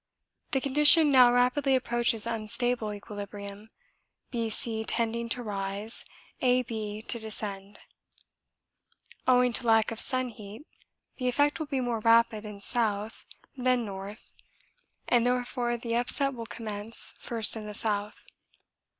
The condition now rapidly approaches unstable equilibrium, B C tending to rise, A B to descend. Owing to lack of sun heat the effect will be more rapid in south than north and therefore the upset will commence first in the south.